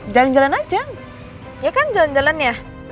jalan jalan aja ya kan jalan jalannya